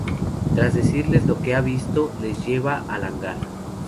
Tras decirles lo que ha visto, les lleva al hangar.